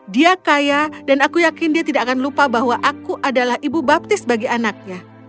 dia kaya dan aku yakin dia tidak akan lupa bahwa aku adalah ibu baptis bagi anaknya